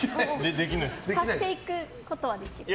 足していくことはできる？